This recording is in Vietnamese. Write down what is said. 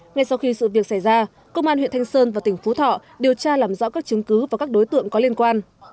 ngay sau khi sự việc xảy ra công an huyện thanh sơn và tỉnh phú thọ điều tra làm rõ các chứng cứ và các đối tượng có liên quan